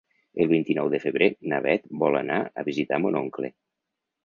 El vint-i-nou de febrer na Beth vol anar a visitar mon oncle.